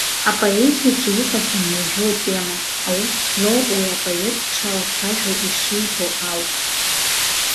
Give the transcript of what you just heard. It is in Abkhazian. Апоезиаҿы иҟаӡам иажәу атема, аус злоу уи апоет дшалацәажәо, ишибо ауп.